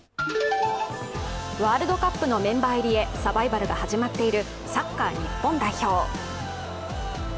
ワールドカップのメンバー入りへサバイバルが始まっているサッカー日本代表。